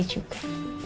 tapi aku juga